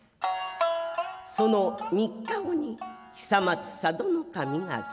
その三日後に久松佐渡守が帰城した。